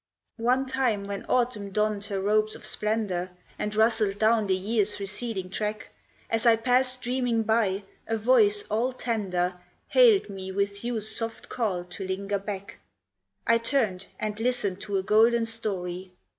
One time when Autumn donned her robes of splendour And rustled down the year's receding track, As I passed dreaming by, a voice all tender Haled me with youth's soft call to linger back. I turned and listened to a golden story!